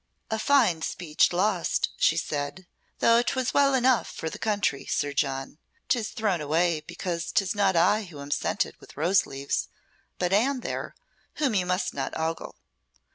"A fine speech lost," she said, "though 'twas well enough for the country, Sir John. 'Tis thrown away, because 'tis not I who am scented with rose leaves, but Anne there, whom you must not ogle.